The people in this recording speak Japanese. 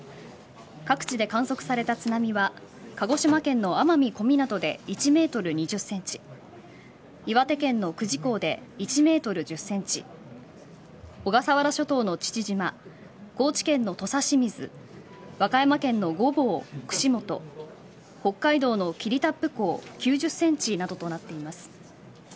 各地で観測された津波は鹿児島県の奄美小湊で１メートル２０センチ岩手県の久慈港で１メートル１０センチ小笠原諸島の父島高知県の土佐清水和歌山県の御坊、串本北海道の霧多布港９０センチなどとなっています。